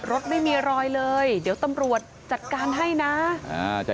รถไม่มีรอยเลยเดี๋ยวตำรวจจัดการให้นะอ่าจะ